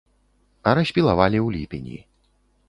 А распілавалі ў ліпені.